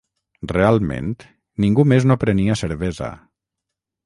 Realment ningú més no prenia cervesa.